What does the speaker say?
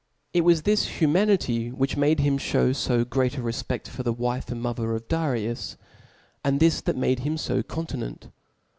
It was this humanity whkrh made him /hew fo great a refpedk for the wife and iriother of Darius; and this that made him (o continent.